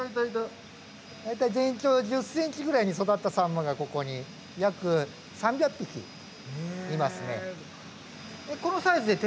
大体全長１０ｃｍぐらいに育ったサンマがここに約３００匹いますね。